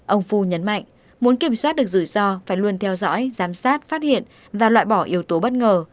ông phu nhấn mạnh muốn kiểm soát được rủi ro phải luôn theo dõi giám sát phát hiện và loại bỏ yếu tố bất ngờ